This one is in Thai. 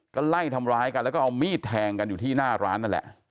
ก็ไล่ทำร้ายกันแล้วก็เอามีดแทงกันอยู่ที่หน้าร้านนั่นแหละ